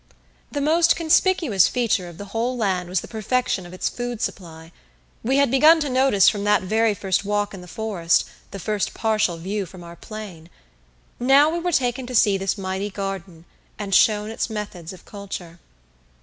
The most conspicuous feature of the whole land was the perfection of its food supply. We had begun to notice from that very first walk in the forest, the first partial view from our 'plane. Now we were taken to see this mighty garden, and shown its methods of culture.